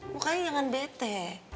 bukannya jangan bete